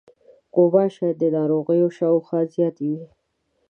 غوماشې د ناروغانو شاوخوا زیاتې وي.